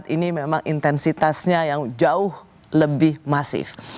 dua ribu dua puluh empat ini memang intensitasnya yang jauh lebih masif